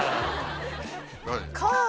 何？